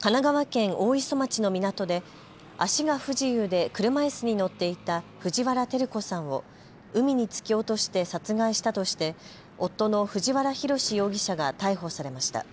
神奈川県大磯町の港で足が不自由で車いすに乗っていた藤原照子さんを海に突き落として殺害したとして夫の藤原宏容疑者が逮捕されました。